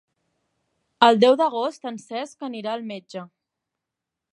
El deu d'agost en Cesc anirà al metge.